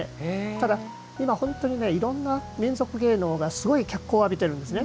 ただ、今本当にいろんな民俗芸能がすごい脚光を浴びているんですね。